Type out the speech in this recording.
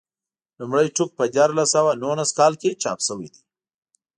لومړی ټوک په دیارلس سوه نولس کال کې چاپ شوی دی.